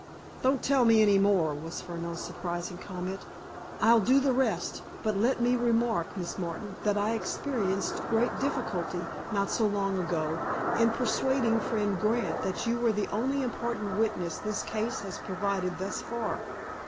"Don't tell me any more," was Furneaux's surprising comment. "I'll do the rest. But let me remark, Miss Martin, that I experienced great difficulty, not so long ago, in persuading friend Grant that you were the only important witness this case has provided thus far.